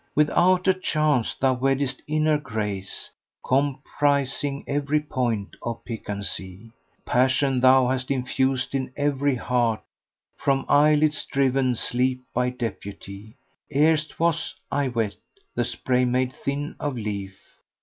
With outer charms thou weddest inner grace * Comprising every point of piquancy: Passion thou hast infused in every heart, * From eyelids driven sleep by deputy: Erst was (I wot) the spray made thin of leaf.